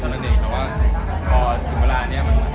เพราะว่าผมก็ทำงานในเมฆตัวของผม